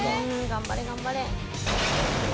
頑張れ頑張れ。